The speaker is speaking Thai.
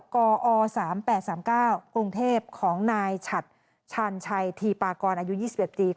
กอ๓๘๓๙กรุงเทพของนายฉัดชาญชัยธีปากรอายุ๒๑ปี